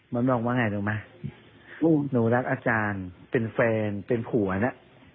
มันบอกว่าไงรู้ไหมลูกหนูรักอาจารย์เป็นแฟนเป็นผัวนะ